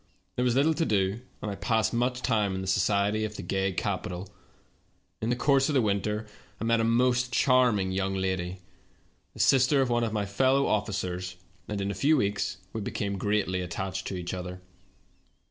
There was little to do, and I passed much time in the societ^^ of the gay capital. In the course of the winter I met a most charming young lady, the sister of one of my fel low officers, and in a few weeks we became greatly attached to each other.